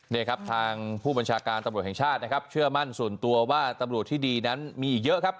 นี่ครับทางผู้บัญชาการตำรวจแห่งชาตินะครับเชื่อมั่นส่วนตัวว่าตำรวจที่ดีนั้นมีอีกเยอะครับ